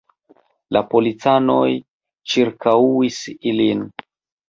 La policanoj ĉirkaŭis ilin.